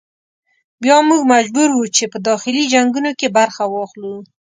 بیا موږ مجبور وو چې په داخلي جنګونو کې برخه واخلو.